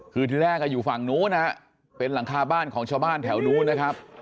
คือที่แรกอยู่ฝั่งนู้นนะฮะเป็นหลังคาบ้านของชาวบ้านแถวนู้นนะครับ